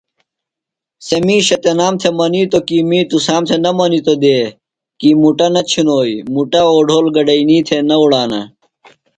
سےۡ مِیشہ تنام تھےۡ منِیتو کی می تُسام تھےۡ نہ منِیتوۡ دئے کی مُٹہ نہ چِھنوئی مُٹہ اوڈھول گڈئینی تھےۡ نہ اُڑانہ۔